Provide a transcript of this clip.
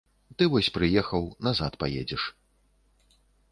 Ты вось прыехаў, назад паедзеш.